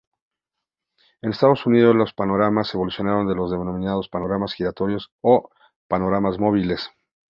En Estados Unidos, los panoramas evolucionaron a los denominados panoramas giratorios o panoramas móviles.